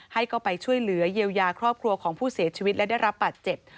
เข้าไปช่วยเหลือเยียวยาครอบครัวของผู้เสียชีวิตและได้รับบาดเจ็บ